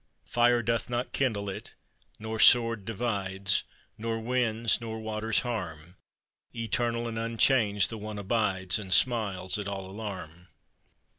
Fire doth not kindle It. nor sword divides, Nor winds nor waters harm; Eternal and unchanged the One abides, And smiles at all alarm.